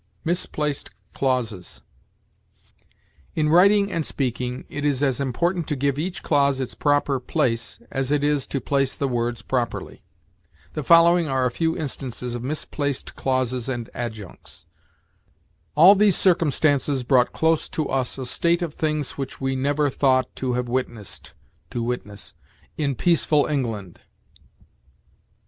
MISPLACED CLAUSES. In writing and speaking, it is as important to give each clause its proper place as it is to place the words properly. The following are a few instances of misplaced clauses and adjuncts: "All these circumstances brought close to us a state of things which we never thought to have witnessed [to witness] in peaceful England.